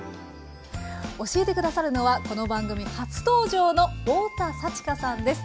教えて下さるのはこの番組初登場の太田さちかさんです。